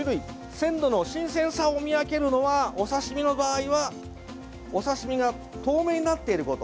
鮮度の新鮮さを見分けるのはお刺身の場合はお刺身が透明になっていること。